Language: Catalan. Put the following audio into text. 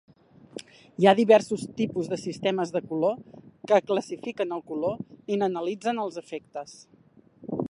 Hi ha diversos tipus de sistemes de color que classifiquen el color i n'analitzen els efectes.